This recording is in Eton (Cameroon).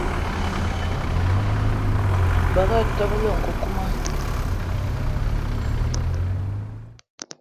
Bënga telé nkukuma.